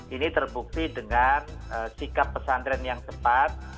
ini terbukti dengan sikap pesantren yang cepat